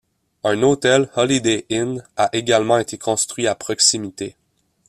Un hôtel Holiday Inn a également été construit à proximité.